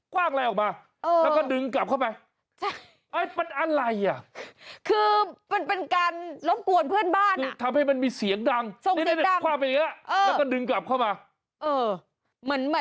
กว้างอะไรออกมาแล้วก็ดึงกลับเข้าไป